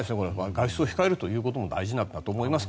外出を控えることも大事だと思います。